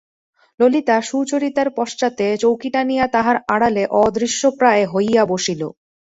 ললিতা সুচরিতার পশ্চাতে চৌকি টানিয়া তাহার আড়ালে অদৃশ্যপ্রায় হইয়া বসিল।